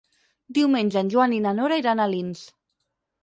Diumenge en Joan i na Nora iran a Alins.